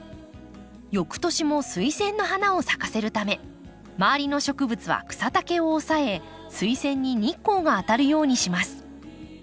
翌年もスイセンの花を咲かせるため周りの植物は草丈を抑えスイセンに日光が当たるようにします。